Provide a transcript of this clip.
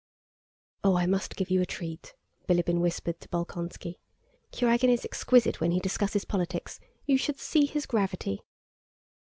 "Oh, I must give you a treat," Bilíbin whispered to Bolkónski. "Kurágin is exquisite when he discusses politics—you should see his gravity!"